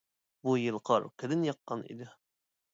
بۇ يىل قار قېلىن ياغقان ئىدى.